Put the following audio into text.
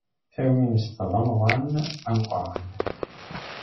Tawinest d amḍan ameqran.